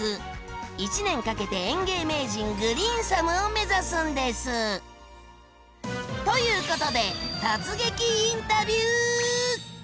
１年かけて園芸名人「グリーンサム」を目指すんです！ということで突撃インタビュー！